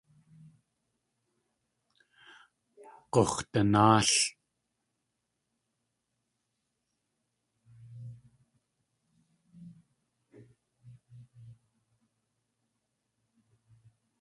Gux̲danáal.